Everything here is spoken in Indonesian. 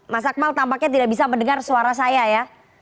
masakmal tampaknya tidak bisa mendengar suara saya ya